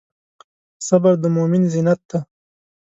صبر د مؤمن زینت دی.